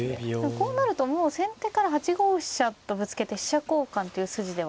こうなるともう先手から８五飛車とぶつけて飛車交換という筋では。